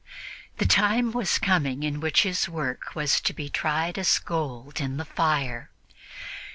The time was coming in which his work was to be tried as gold in the fire.